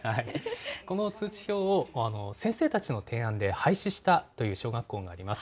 この通知表を先生たちの提案で廃止したという小学校があります。